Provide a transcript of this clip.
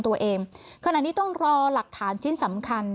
ขณะนี้ต้องรอหลักฐานชิ้นสำคัญ